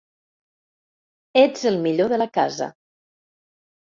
Ets el millor de la casa.